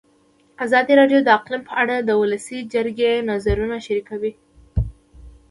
ازادي راډیو د اقلیم په اړه د ولسي جرګې نظرونه شریک کړي.